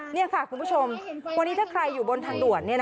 นี่ค่ะคุณผู้ชมวันนี้ถ้าใครอยู่บนทางด่วน